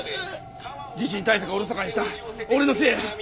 地震対策をおろそかにした俺のせいや。